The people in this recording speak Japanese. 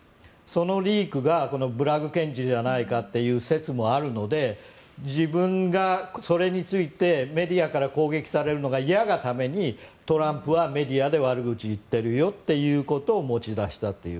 そのリークがブラッグ検事じゃないかという説もあるので自分がそれについてメディアから攻撃されるのが嫌がためにトランプはメディアで悪口を言っているよということを持ち出したという。